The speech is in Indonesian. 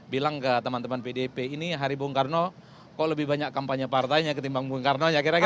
bilang ke teman teman pdp ini hari bung karno kok lebih banyak kampanye partainya ketimbang bung karnonya kira kira